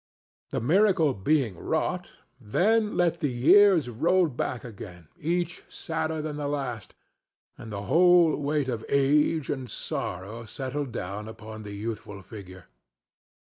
The miracle being wrought, then let the years roll back again, each sadder than the last, and the whole weight of age and sorrow settle down upon the youthful figure.